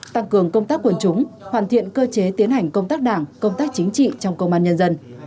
tăng cường công tác quần chúng hoàn thiện cơ chế tiến hành công tác đảng công tác chính trị trong công an nhân dân